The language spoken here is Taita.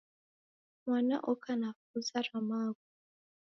Mwana oka na fuza ra maghu